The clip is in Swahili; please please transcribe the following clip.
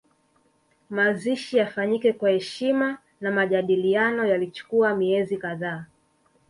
Mazishi yafanyike kwa heshima na majadiliano yalichukua miezi kadhaa